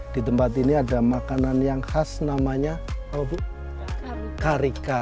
di tempat ini ada makanan yang khas namanya karika